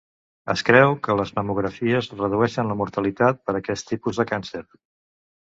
Es creu que les mamografies redueixen la mortalitat per aquest tipus de càncer.